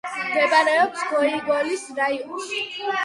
მდებარეობს გოიგოლის რაიონში.